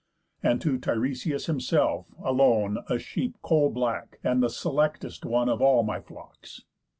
And to Tiresias himself, alone, A sheep coal black, and the selectest one Of all my flocks.